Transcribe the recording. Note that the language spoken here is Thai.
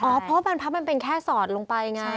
เพราะบรรพับมันเป็นแค่สอดลงไปไง